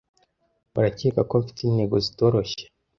Urakeka ko mfite intego zitoroshye?